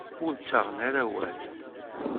Ur ttaɣen ara awal.